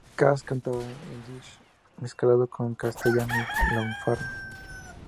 Katz cantaba en ídish, mezclado con castellano y lunfardo.